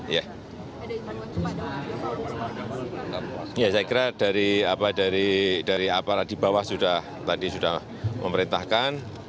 ya saya kira dari aparat di bawah sudah tadi sudah memerintahkan